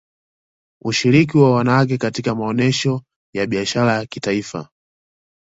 Ushiriki wa wanawake katika maonesho ya Biashara ya kimataifa